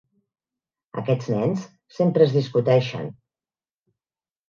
Aquests nens sempre es discuteixen.